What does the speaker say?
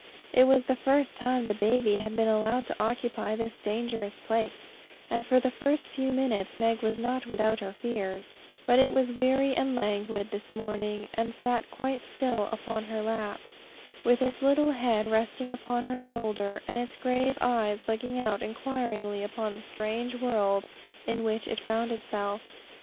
It was the first time the baby had been allowed to occupy this dangerous place, and for the first few minutes Meg was not without her fears; but it was weary and languid this morning, and sat quite still upon her lap, with its little head resting upon her shoulder, and its grave eyes looking out inquiringly upon the strange world in which it found itself.